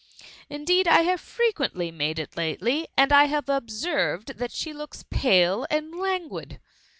Indeed I have frequently made it lately, and I have observed that she looks pale and languid.